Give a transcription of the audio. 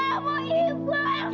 ibu anakmu ibu anakmu